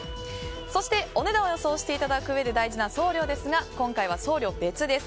そして、お値段を予想していただくうえで大事な送料ですが今回は送料別です。